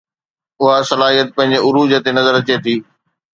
اها صلاحيت پنهنجي عروج تي نظر اچي ٿي